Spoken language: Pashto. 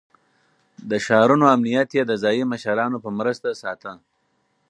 د ښارونو امنيت يې د ځايي مشرانو په مرسته ساته.